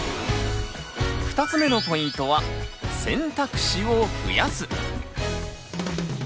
２つ目のポイントは「選択肢を増やす」。